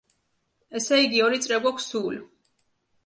ესე იგი ორი წრე გვაქვს სულ.